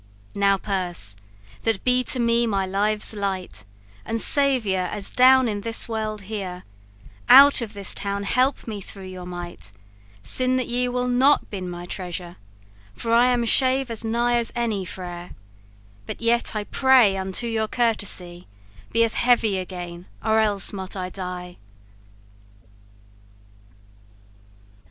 Now, purse, that be to me my life's light And saviour, as done in this world here, Out of this town help me through your might, Since that you will not be my treasurer; For I am shaved as nigh as any friar. But yet I pray unto your courtesy: Be heavy again, or else might I die!